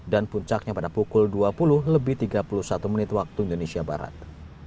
dan puncaknya pada pukul dua puluh lebih tiga puluh satu menit waktu indonesia barat